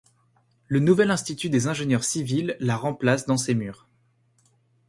Le nouvel institut des ingénieurs civils la remplace dans ses murs.